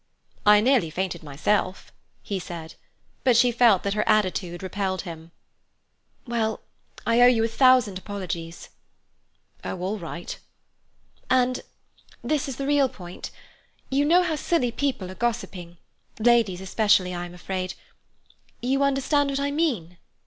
"I nearly fainted myself," he said; but she felt that her attitude repelled him. "Well, I owe you a thousand apologies." "Oh, all right." "And—this is the real point—you know how silly people are gossiping—ladies especially, I am afraid—you understand what I mean?"